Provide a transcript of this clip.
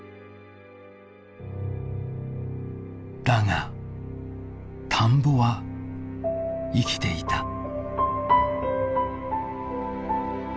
だが田んぼは生きていた。